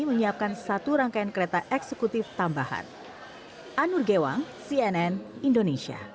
menyiapkan satu rangkaian kereta eksekutif tambahan